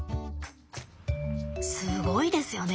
すごいですよね。